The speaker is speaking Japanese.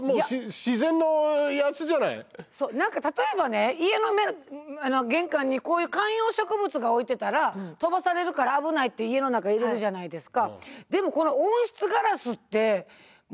そう何か例えばね家の玄関にこういう観葉植物が置いてたら飛ばされるから危ないって家の中入れるじゃないですか。